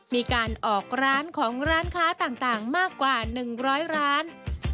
มีการออกร้านของร้านค้าต่างมากกว่า๑๐๐ร้าน